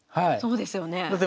そうですよねえ。